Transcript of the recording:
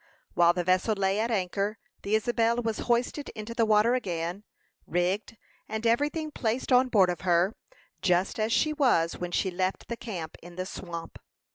While the vessel lay at anchor, the Isabel was hoisted into the water again, rigged, and every thing placed on board of her, just as she was when she left the camp in the swamp.